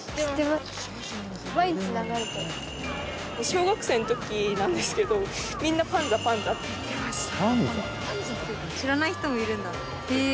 小学生のときなんですけどみんなパンザ、パンザって言ってました。